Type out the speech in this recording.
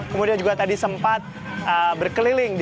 kemudian juga tadi sempat berkeliling